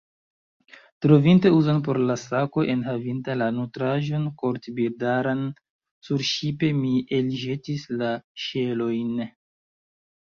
Trovinte uzon por la sako enhavinta la nutraĵon kortbirdaran surŝipe, mi elĵetis la ŝelojn.